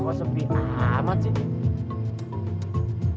kok sepi amat sih